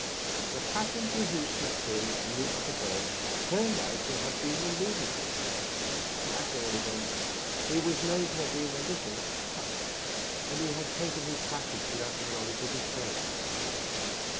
The passenger, who slept here in the upper berth, turned out to have been a lunatic — ^at all events, lie was known to have been a little touched, and he had taken his passage without the knowledge of his friends.